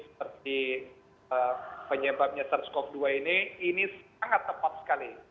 seperti penyebabnya sars cov dua ini ini sangat tepat sekali